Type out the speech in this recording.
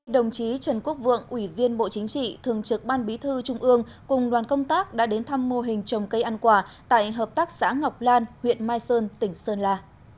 đồng chí trần quốc vượng ủy viên bộ chính trị thường trực ban bí thư trung ương cùng đoàn công tác đã đến thăm mô hình trồng cây ăn quả tại hợp tác xã ngọc lan huyện mai sơn tỉnh sơn la